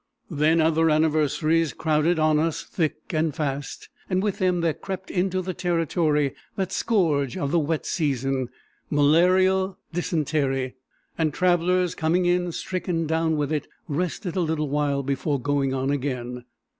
Then other anniversaries crowded on us thick and fast, and with them there crept into the Territory that scourge of the wet season—malarial dysentery, and travellers coming in stricken down with it rested a little while before going on again.